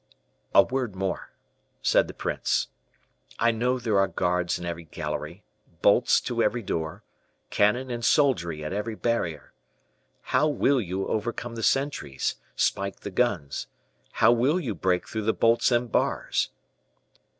"A word more," said the prince. "I know there are guards in every gallery, bolts to every door, cannon and soldiery at every barrier. How will you overcome the sentries spike the guns? How will you break through the bolts and bars?"